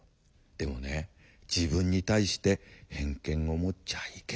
でもね自分に対して偏見を持っちゃいけないんだよ」。